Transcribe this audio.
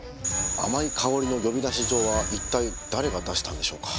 甘い香りの呼び出し状は一体誰が出したんでしょうか？